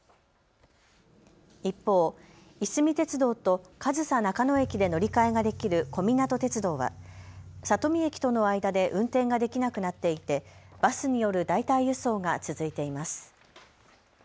一方、いすみ鉄道と上総中野駅で乗り換えができる小湊鐵道は里見駅との間で運転ができなくなっていてバスによる代替輸送が続いています。